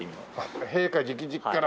陛下直々から。